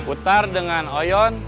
utar dengan oyon